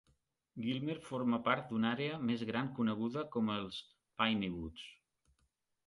Gilmer forma part d'una àrea més gran coneguda com els "Piney Woods".